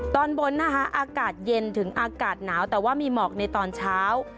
ตอนบนนะคะอากาศเย็นถึงอากาศหนาวแต่ว่ามีหมอกในตอนเช้า